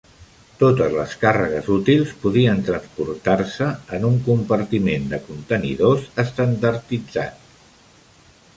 Totes les càrregues útils podrien transportar-se en un compartiment de contenidors estandarditzat.